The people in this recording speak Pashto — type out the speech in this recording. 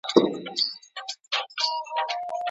ولي لېواله انسان د مخکښ سړي په پرتله ډېر مخکي ځي؟